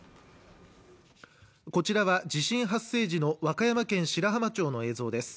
こちらは地震発生時の和歌山県白浜町の映像です